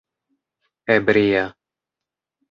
ebria